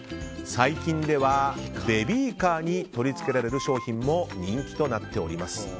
最近ではベビーカーに取り付けられる商品も人気となっております。